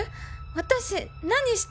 私何した？